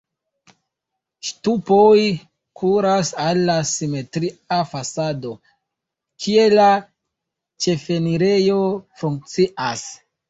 Ŝtupoj kuras al la simetria fasado, kie la ĉefenirejo funkcias.